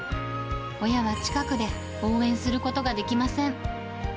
親は近くで応援することができません。